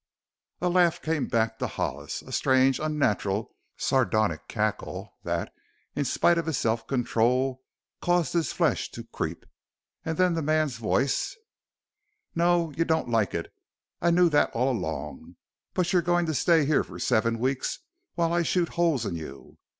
A laugh came back to Hollis a strange, unnatural, sardonic cackle that, in spite of his self control, caused his flesh to creep. And then the man's voice: "No, you don't like it. I knew that all along. But you're going to stay here for seven weeks while I shoot holes in you!"